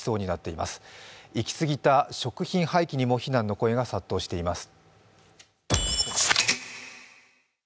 いき過ぎた食品廃棄にも非難の声が殺到しています。